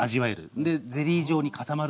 でゼリー状に固まるんですね。